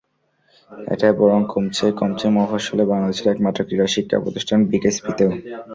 এটা বরং কমছে, কমছে মফস্বলে, বাংলাদেশের একমাত্র ক্রীড়া শিক্ষা প্রতিষ্ঠান বিকেএসপিতেও।